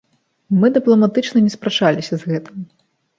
Мы дыпламатычна не спрачаліся з гэтым.